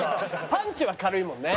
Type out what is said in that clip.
パンチは軽いもんね。